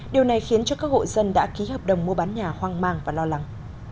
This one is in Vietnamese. điều này khiến cho các hộ dân đã ký hợp đồng mua bán nhà hoang mang và lo lắng